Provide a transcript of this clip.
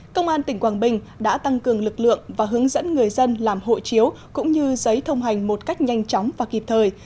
công an tỉnh quảng bình đã tăng cường lực lượng và hướng dẫn người dân làm hộ chiếu cũng như giấy thông hành một cách nhanh chóng và kịp thời